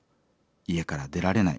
家から出られない。